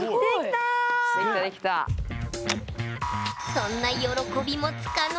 そんな喜びもつかの間。